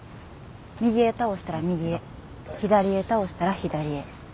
右へ倒したら右へ左へ倒したら左へ。